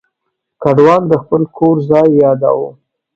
کډوال د خپل کور ځای یاداوه.